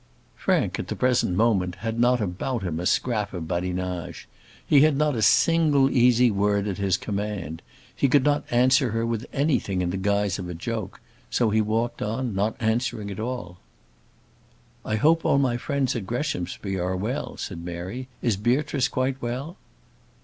Frank at the present moment had not about him a scrap of badinage. He had not a single easy word at his command. He could not answer her with anything in guise of a joke; so he walked on, not answering at all. "I hope all my friends at Greshamsbury are well," said Mary. "Is Beatrice quite well?"